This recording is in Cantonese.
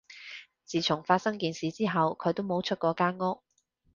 自從發生件事之後，佢就冇出過間屋